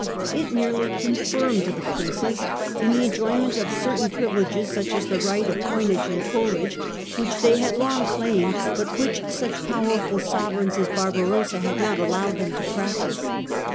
It merely confirmed the Princes in the enjoyment of certain privileges, such as the right of coinage and tollage, which they had long claimed but which such powerful sove reigns as Barbarossa had not allowed them to practise.